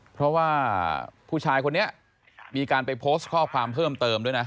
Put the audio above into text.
เพราะว่าผู้ชายคนนี้มีการไปโพสต์ข้อความเพิ่มเติมด้วยนะ